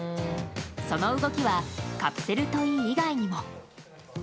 その動きはカプセルトイ以外にも。